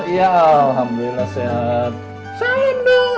ya alhamdulillah sehat